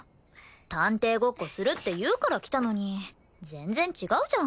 探偵ごっこするって言うから来たのに全然違うじゃん。